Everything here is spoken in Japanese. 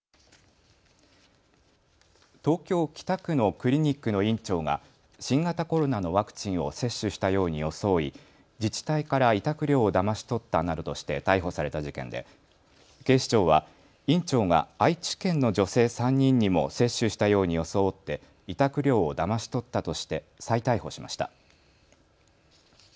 東京北区のクリニックの院長が新型コロナのワクチンを接種したように装い自治体から委託料をだまし取ったなどとして逮捕された事件で警視庁は院長が愛知県の女性３人にも接種したように装って委託料をだまし取ったとして再逮捕しました。